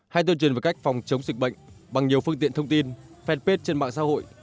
hay tuyên truyền về cách phòng chống dịch bệnh bằng nhiều phương tiện thông tin fanpage trên mạng xã hội